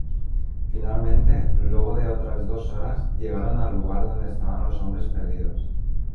Finalmente, luego de otras dos horas, llegaron al lugar donde estaban los hombres perdidos.